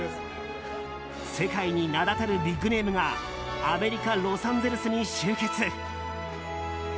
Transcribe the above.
世界に名だたるビッグネームがアメリカ・ロサンゼルスに集結。